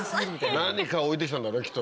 何か置いて来たんだろうきっと。